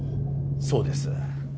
そうです